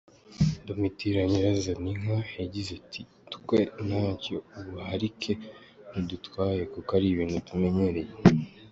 Domitira Nyirazaninka yagize ati “Twe ntacyo ubuharike budutwaye kuko ari ibintu tumenyereye”.